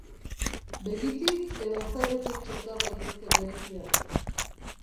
Begitik edo azaletik txerta daitezke gereziak.